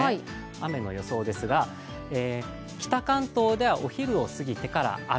雨の予想ですが、北関東ではお昼を過ぎてから雨。